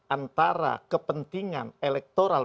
antara kepentingan elektoral